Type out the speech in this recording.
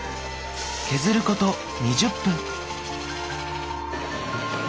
削ること２０分。